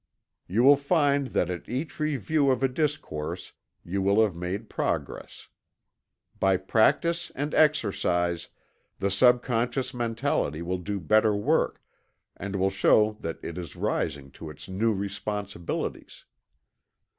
You will find that at each review of a discourse you will have made progress. By practice and exercise, the subconscious mentality will do better work, and will show that it is rising to its new responsibilities.